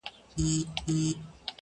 د کراري مو شېبې نه دي لیدلي!